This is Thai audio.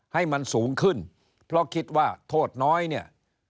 ให้มันสูงขึ้นเพราะคิดว่าโทษน้อยเนี่ย